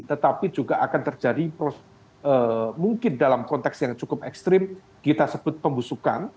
tetapi juga akan terjadi mungkin dalam konteks yang cukup ekstrim kita sebut pembusukan